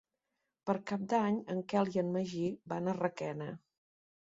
Per Cap d'Any en Quel i en Magí van a Requena.